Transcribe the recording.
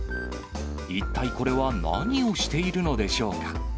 一体これは何をしているのでしょうか。